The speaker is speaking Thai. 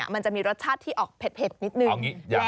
มันจะมีรสชาติที่ออกเผ็ดนิดนึง